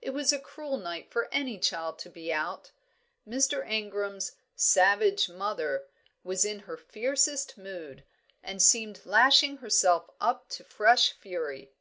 It was a cruel night for any child to be out. Mr. Ingram's "savage mother" was in her fiercest mood, and seemed lashing herself up to fresh fury.